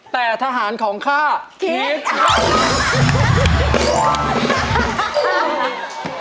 แต่ทหารของข้าคิด